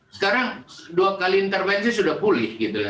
sekarang dua kali intervensi sudah pulih